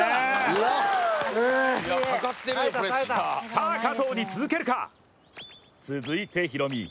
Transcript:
さあ加藤に続けるか、続いてヒロミ。